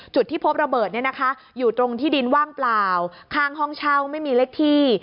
จุดที่พบระเบิดอยู่ตรงที่ดินว่างเปล่าข้างห้องเช่าไม่มีเลขที่